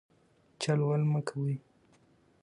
چل ول مه کوئ.